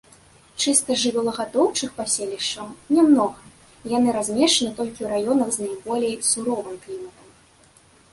Чыста жывёлагадоўчых паселішчаў нямнога, яны размешчаны толькі ў раёнах з найболей суровым кліматам.